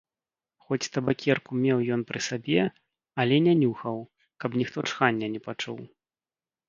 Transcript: Хоць табакерку меў ён пры сабе, але не нюхаў, каб ніхто чхання не пачуў.